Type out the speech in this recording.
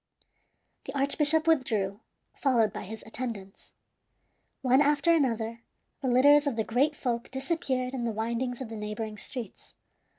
The archbishop withdrew, followed by his attendants. One after another the litters of the great folk disappeared in the windings of the neighboring streets.